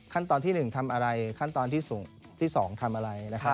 ขั้นตอนที่หนึ่งทำอะไรขั้นตอนที่สองทำอะไร